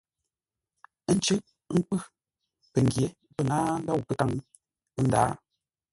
Ə́ ncʉ́ʼ nkwʉ́. Pəngyě pə́ ŋâa ndôu kə́káŋ, ə́ ndǎa.